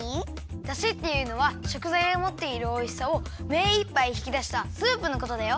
だしっていうのはしょくざいがもっているおいしさをめいっぱいひきだしたスープのことだよ。